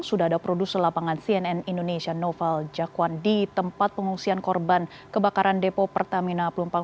sudah ada produser lapangan cnn indonesia noval jakwan di tempat pengungsian korban kebakaran depo pertamina pelumpang